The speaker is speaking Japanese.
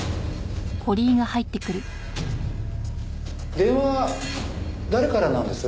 電話誰からなんです？